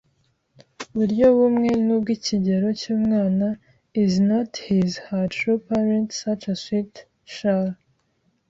buryo bumwe n ubw ikirego cy umwana is not his her true parent Such a suit shall